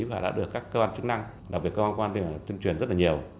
và đã được các cơ quan chức năng đặc biệt cơ quan quân tuyên truyền rất nhiều